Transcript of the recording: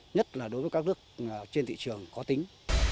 nhất là đối với các nước trên thị trường có tính